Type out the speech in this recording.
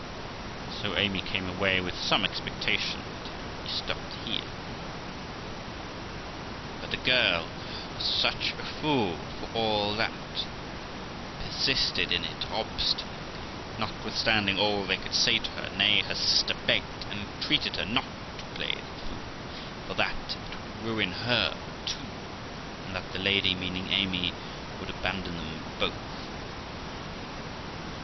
And so Amy came away with some expectation that it would be stopped here. But the girl was such a fool for all that, and persisted in it obstinately, notwithstanding all they could say to her; nay, her sister begged and entreated her not to play the fool, for that it would ruin her too, and that the lady (meaning Amy) would abandon them both.